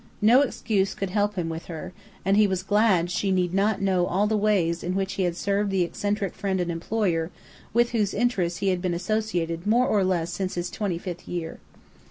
No excuse could help him with her, and he was glad she need not know all the ways in which he had served the eccentric friend and employer with whose interests he had been associated more or less since his twenty fifth year.